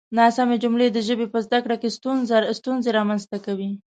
ناسمې جملې د ژبې په زده کړه کې ستونزې رامنځته کوي.